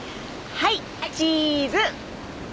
はいチーズ。